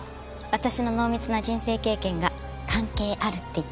私の濃密な人生経験が関係あるって言ってます。